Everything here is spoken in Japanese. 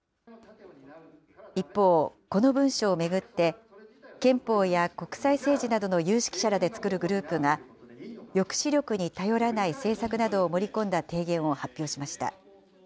一方、この文書を巡って、憲法や国際政治などの有識者らで作るグループが、抑止力に頼らない政策などを盛り込んだ提言を発表しました。